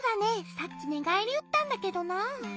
さっきねがえりうったんだけどなぁ。